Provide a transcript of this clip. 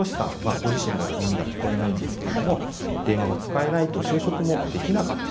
ご自身も耳が聞こえないんですけれども電話が使えないと就職もできなかった。